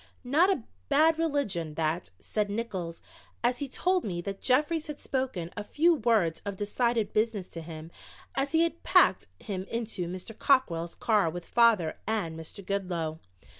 Not a bad religion, that," said Nickols, as he told me that Jeffries had spoken a few words of decided business to him as he had packed him into Mr. Cockrell's car with father and Mr. Goodloe.